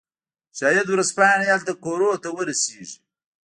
شاید ورځپاڼې هلته کورونو ته ورسیږي